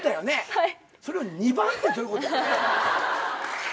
はい。